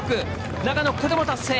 長野、ここでも達成！